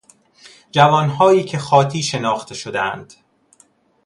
جوانهایی که خاطی شناخته شدهاند